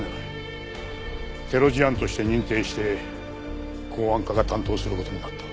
テロ事案として認定して公安課が担当する事になった。